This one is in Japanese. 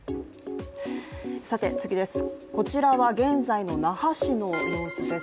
こちらは現在の那覇市の様子です。